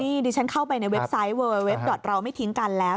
นี่ดิฉันเข้าไปในเว็บไซต์เวอร์เว็บดอตเราไม่ทิ้งกันแล้ว